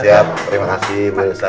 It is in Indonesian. siap terima kasih ibu elsa